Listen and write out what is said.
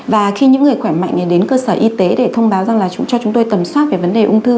và khi những người khỏe mạnh thì đến cơ sở y tế để thông báo rằng là cho chúng tôi tầm soát về vấn đề ung thư